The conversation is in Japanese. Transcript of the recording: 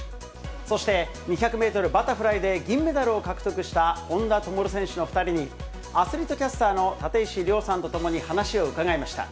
そして２００メートルバタフライで銀メダルを獲得した本多灯選手の２人に、アスリートキャスターの立石諒さんと共に話を伺いました。